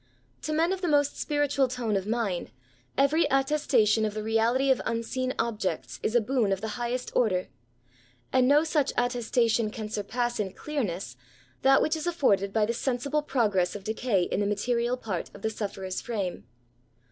To men of the most spiritual tone of mind, every attestation of the reality of unseen objects is a boon of the highest order; and no such attestation can surpass in clearness that which is afforded by the sensible progress of decay DEATH TO THB INVALID. Ill in the material part of the sufferer's frame.